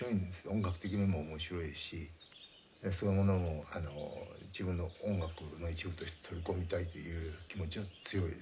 音楽的にも面白いしそういうものも自分の音楽の一部として取り込みたいという気持ちは強いですね。